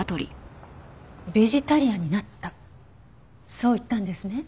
そう言ったんですね？